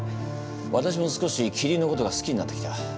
私も少しキリンのことが好きになってきた。